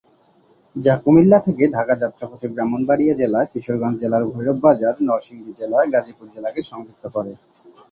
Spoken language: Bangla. যা কুমিল্লা থেকে ঢাকা যাত্রাপথে ব্রাহ্মণবাড়িয়া জেলা, কিশোরগঞ্জ জেলার ভৈরব বাজার, নরসিংদী জেলা, গাজীপুর জেলাকে সংযুক্ত করে।